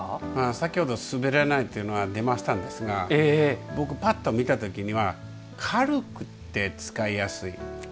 先ほど滑らないというのが出ましたが僕、パッと見たときには軽くて使いやすい。